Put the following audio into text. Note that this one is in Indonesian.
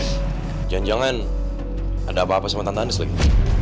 jangan jangan ada apa apa sama tante anis lagi